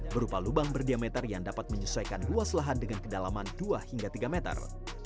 berupa lubang berdiameter yang dapat menyesuaikan luas lahan dengan kedalaman dua hingga tiga meter